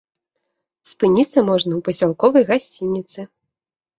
Спыніцца можна ў пасялковай гасцініцы.